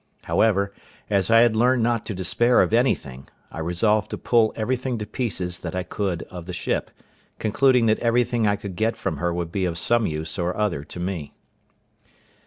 However, as I had learned not to despair of anything, I resolved to pull everything to pieces that I could of the ship, concluding that everything I could get from her would be of some use or other to me.